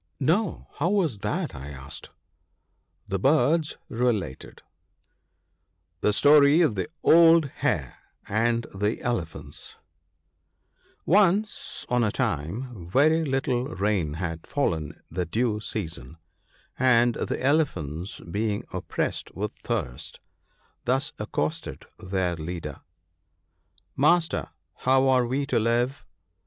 ' No ! how was that ?' I asked. The birds related — @Hje £torg of tije <®\b J^are anb dje |NCE on a time, very little rain had fallen in the due season; and the Elephants being oppressed with thirst, thus accosted their leader :— i Master, how are we to live